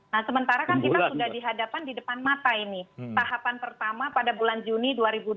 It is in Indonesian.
nah sementara kan kita sudah dihadapan di depan mata ini tahapan pertama pada bulan juni dua ribu dua puluh